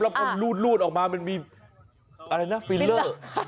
แล้วพอรูดออกมามันมีอะไรนะฟิลเลอร์